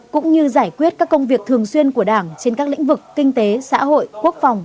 cũng như giải quyết các công việc thường xuyên của đảng trên các lĩnh vực kinh tế xã hội quốc phòng